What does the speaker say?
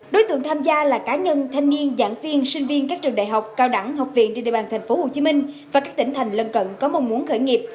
đối tượng tham gia là cá nhân thanh niên giảng viên sinh viên các trường đại học cao đẳng học viện trên địa bàn tp hcm và các tỉnh thành lân cận có mong muốn khởi nghiệp